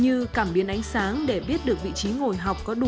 như cảm biến ánh sáng để biết được vị trí ngồi học có đủ